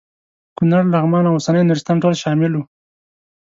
کونړ لغمان او اوسنی نورستان ټول شامل وو.